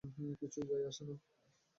কিছুই যায় আসে না।